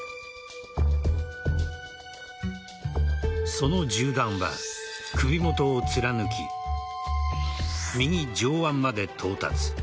その銃弾は首元を貫き右上腕まで到達。